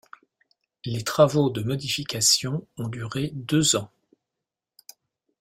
Les travaux de modifications ont duré deux ans.